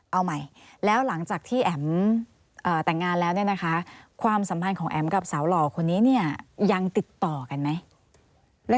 เอาใหม่แล้วหลังจากที่แอ๋มแต่งงานแล้วเนี่ยนะคะความสัมพันธ์ของแอ๋มกับสาวหล่อคนนี้เนี่ยยังติดต่อกันไหม